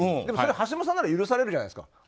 でも橋下さんなら許されるじゃないですか。